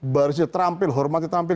barisnya terampil hormatnya terampil